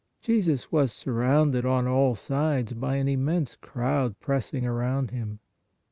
Jesus was surrounded on all sides by an immense crowd press ing around Him.